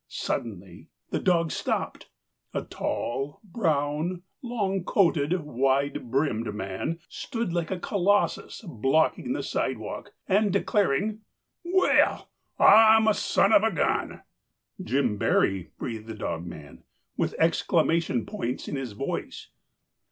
Suddenly the dog stopped. A tall, brown, long coated, wide brimmed man stood like a Colossus blocking the sidewalk and declaring: "Well, I'm a son of a gun!" "Jim Berry!" breathed the dogman, with exclamation points in his voice.